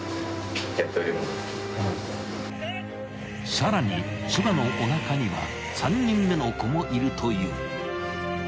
［さらに妻のおなかには３人目の子もいるという］